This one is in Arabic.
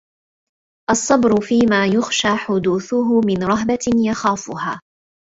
الصَّبْرُ فِيمَا يُخْشَى حُدُوثُهُ مِنْ رَهْبَةٍ يَخَافُهَا